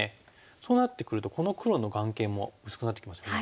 そうなってくるとこの黒の眼形も薄くなってきますね。